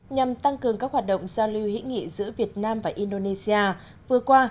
nhằm tăng cường các hoạt động giao lưu hữu nghị giữa việt nam và indonesia vừa qua